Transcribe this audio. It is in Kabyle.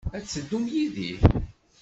Ad teddum yid-i?